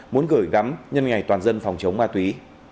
muốn gửi gắm nhân ngày toàn dân phòng chống ma túy